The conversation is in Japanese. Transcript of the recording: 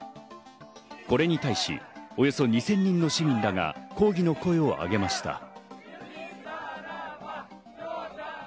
これに対し、およそ２０００人の市民らが抗議の声を上げました。